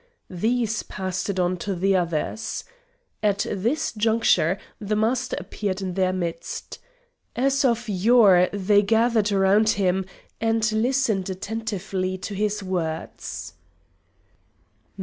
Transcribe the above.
These passed it on to the others. At this juncture the Master appeared in their midst. As of yore they gathered round him and listened attentively to his words.